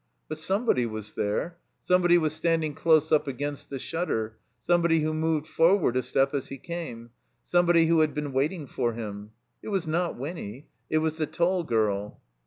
But somebody was there, somebody was standing dose up against the shutter; somebody who moved forward a step as he came, somebody who had been waiting for him. It was not Wumy. It was the tall girl.